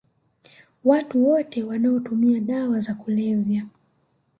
Watu wote wanaotumia dawa za kulevya